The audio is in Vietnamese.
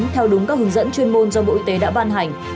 theo đúng các hướng dẫn chuyên môn do bộ y tế đã ban hành